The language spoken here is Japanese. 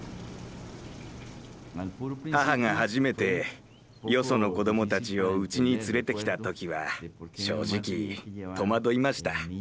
母が初めてよその子どもたちをうちに連れてきた時は正直とまどいました。